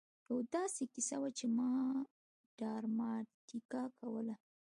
يوه داسې کيسه وه چې ما ډراماتيکه کوله.